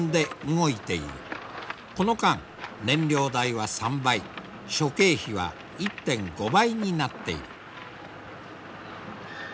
この間燃料代は３倍諸経費は１．５倍になっている。